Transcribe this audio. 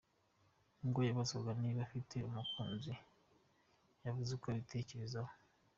Ubwo yabazwaga niba afite umukunzi, yavuze ko akibitekerezaho.